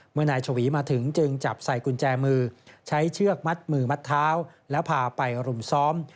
นายชวีมาถึงจึงจับใส่กุญแจมือใช้เชือกมัดมือมัดเท้าแล้วพาไปรุมซ้อม